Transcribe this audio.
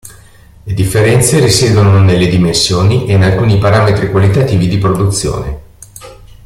Le differenze risiedono nelle dimensioni e in alcuni parametri qualitativi di produzione.